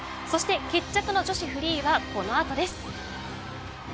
そして決着の女子フリーはこの後です。